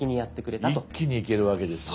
一気にいけるわけですね。